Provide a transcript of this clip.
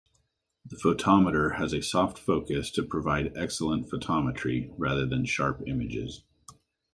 The photometer has a soft focus to provide excellent photometry, rather than sharp images.